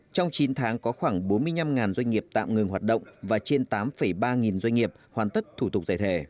trong chín tháng có khoảng bốn mươi năm doanh nghiệp tạm ngừng hoạt động và trên tám ba nghìn doanh nghiệp hoàn tất thủ tục giải thể